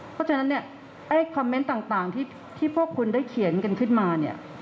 เพราะฉะนั้นเนี่ยคอมเมนต์ต่างที่พวกคุณได้เขียนกันขึ้นมาเนี่ย